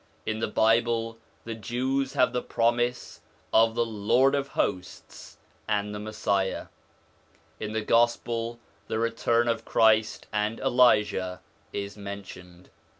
In the Bible the Jews have the promise of the Lord of Hosts and the Messiah ; in the Gospel the return of Christ and Elijah is promised.